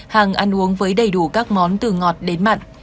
hàng ăn uống với đầy đủ các món từ ngọt đến mặn